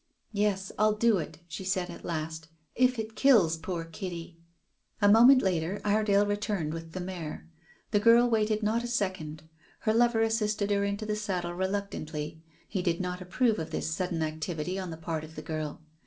"Yes, I'll do it," she said at last, "if it kills poor Kitty." A moment later Iredale returned with the mare. The girl waited not a second. Her lover assisted her into the saddle reluctantly. He did not approve this sudden activity on the part of the girl.